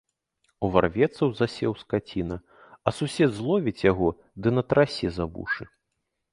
Уварвецца ў засеў скаціна, а сусед зловіць яго ды натрасе за вушы.